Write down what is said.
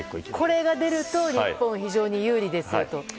これが出ると日本は非常に有利ですよと。